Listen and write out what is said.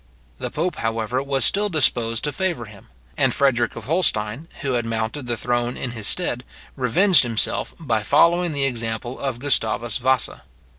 The pope, however, was still disposed to favour him; and Frederic of Holstein, who had mounted the throne in his stead, revenged himself, by following the example of Gustavus Vasa.